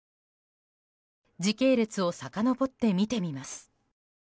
時系列をさかのぼって見てみます。